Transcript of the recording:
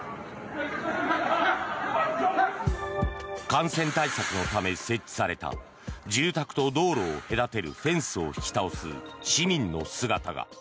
感染対策のため設置された住宅と道路を隔てるフェンスを引き倒す市民の姿が。